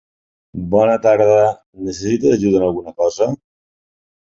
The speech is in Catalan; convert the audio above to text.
Bona tarda, necessites ajuda en alguna cosa?